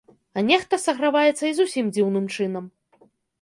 А нехта саграваецца і зусім дзіўным чынам.